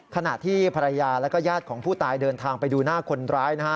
ขณะที่ภรรยาแล้วก็ญาติของผู้ตายเดินทางไปดูหน้าคนร้ายนะฮะ